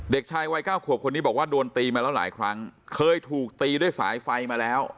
เด็กชายวัยเก้าขวบคนนี้บอกว่าโดนตีมาแล้วหลายครั้งเคยถูกตีด้วยสายไฟมาแล้ว